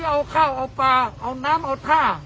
เอาข้าวเอาปลาน้ำเอาท่า